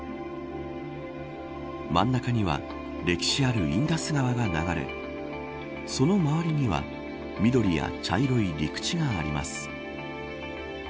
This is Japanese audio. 真ん中には歴史あるインダス川が流れその周りには緑や茶色い陸地があります。